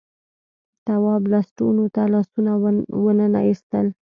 تواب لستونو ته لاسونه وننه ایستل.